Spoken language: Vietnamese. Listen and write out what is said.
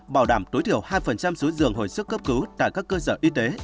bảo đảm tối thiểu hai số giường hồi sức cấp cứu tại các cơ sở y tế